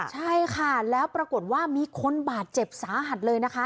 ใช่ค่ะแล้วปรากฏว่ามีคนบาดเจ็บสาหัสเลยนะคะ